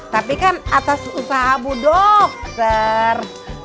tapi kan atas usaha bu dokter